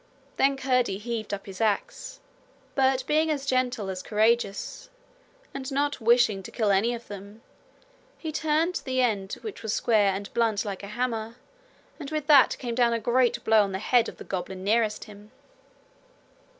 Then Curdie heaved up his axe. But being as gentle as courageous and not wishing to kill any of them, he turned the end which was square and blunt like a hammer, and with that came down a great blow on the head of the goblin nearest him.